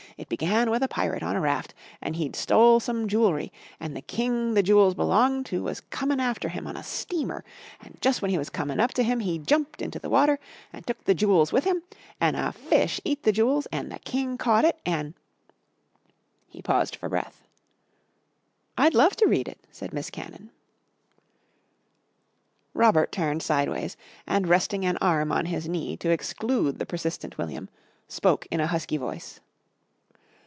It began with a pirate on a raft an' he'd stole some jewel'ry and the king the jewels belonged to was coming after him on a steamer and jus' when he was comin' up to him he jumped into the water and took the jewls with him an' a fish eat the jewls and the king caught it an'," he paused for breath. "I'd love to read it!" said Miss Cannon. Robert turned sideways, and resting an arm on his knee to exclude the persistent William, spoke in a husky voice.